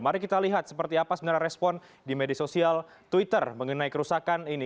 mari kita lihat seperti apa sebenarnya respon di media sosial twitter mengenai kerusakan ini